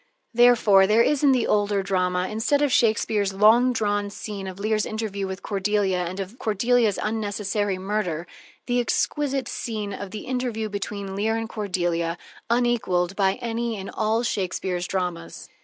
Therefore, there is in the older drama, instead of Shakespeare's long drawn scene of Lear's interview with Cordelia and of Cordelia's unnecessary murder, the exquisite scene of the interview between Leir and Cordelia, unequaled by any in all Shakespeare's dramas.